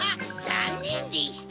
ざんねんでした。